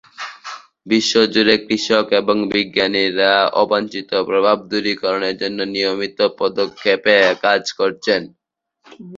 বিশ্বজুড়ে কৃষক এবং বিজ্ঞানীরা অবাঞ্ছিত প্রভাব দূরীকরণের জন্য নিয়মিত পদক্ষেপে কাজ করছেন।